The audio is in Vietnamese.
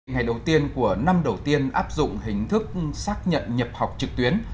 ngày đầu tiên của năm đầu tiên áp dụng hình thức xác nhận nhập học trực tuyến